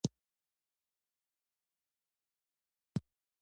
دولتونه باید د اقتصادي پرمختګ لپاره پایداره پالیسي ولري.